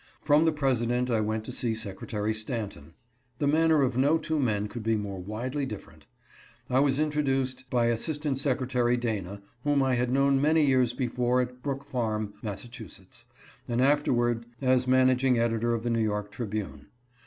Prom the President I went to see Secretary Stanton. The manner of no two men could be more widely differ ent. I was introduced by Assistant Secretary Dana, whom I had known many years before at " Brook Farm," Mass., and afterward as managing editor of the New York Tribune.